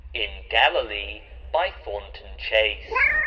In Galilee by Thornton Chase.